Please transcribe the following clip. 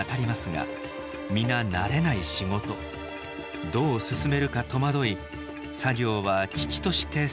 どう進めるか戸惑い作業は遅々として進みません